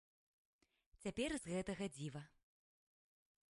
Цяпер з гэтага дзіва.